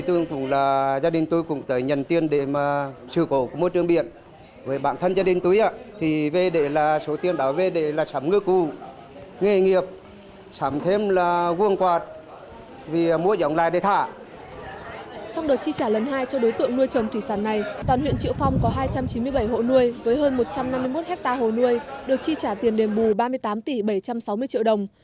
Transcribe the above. trong đợt chi trả lần hai cho đối tượng nuôi trồng thủy sản này toàn huyện triệu phong có hai trăm chín mươi bảy hộ nuôi với hơn một trăm năm mươi một hectare hồ nuôi được chi trả tiền đềm bù ba mươi tám tỷ bảy trăm sáu mươi triệu đồng